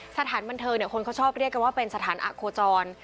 สถานบันเทิงเนี่ยคนเขาชอบเรียกกันว่าเป็นสถานะโคจร